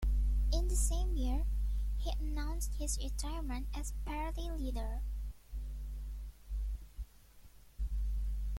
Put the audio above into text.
In the same year, he announced his retirement as party leader.